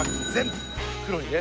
黒にね。